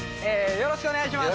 よろしくお願いします。